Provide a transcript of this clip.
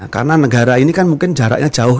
karena negara ini kan mungkin jaraknya jauh